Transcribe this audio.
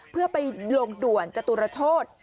เพื่อไปลงด่วนจตุรโชธ